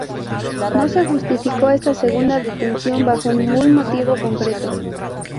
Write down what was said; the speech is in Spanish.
No se justificó esta segunda detención bajo ningún motivo concreto.